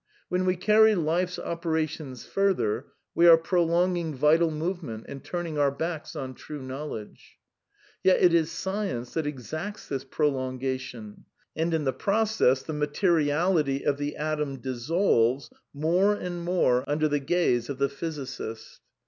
When we carry Life's operations further we are prolonging vital move ment and turning our backs on true knowledge (page 221). Yet it is science that exacts this prolongation, and in the process " the materiality of the atom dissolves, more and more, under the gaze of the physicist."